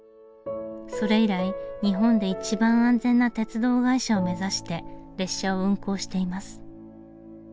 それ以来日本で一番安全な鉄道会社を目指して列車を運行しています。